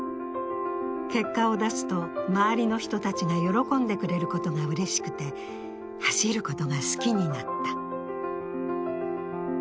結果を出すと、周りの人たちが喜んでくれることがうれしくて走ることが好きになった。